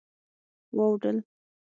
واوډل